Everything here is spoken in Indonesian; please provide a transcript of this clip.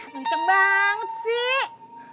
cinceng banget sih